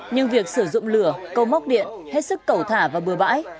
nhưng việc sử dụng lửa cầu móc điện hết sức cẩu thả và bừa bãi